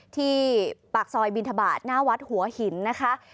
ที่ปากซอยบินทบาทหน้าวัดหัวหินนะคะ